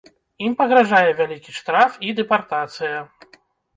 Ім пагражае вялікі штраф і дэпартацыя.